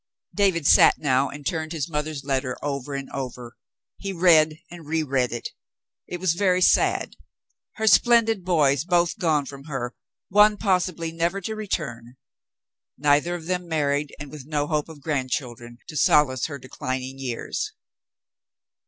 David sat now and turned his mother's letter over and over. He read and reread it. It was verv sad. Her splendid boys both gone from her, one possibly never to return — neither of them married and with no hope of grandchildren to solace her declining years.